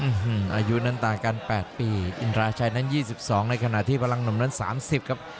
อื้อหืออายุนั้นต่างกันแปดปีอินราชัยนั้นยี่สิบสองในขณะที่พลังหนุ่มนั้นสามสิบครับ